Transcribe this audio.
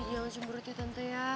jangan cemberut ya tante ya